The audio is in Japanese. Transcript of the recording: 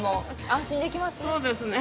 安心できますね。